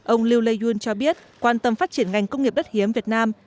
ông liu lei yun cho biết quan tâm phát triển ngành công nghiệp đất hiếm việt nam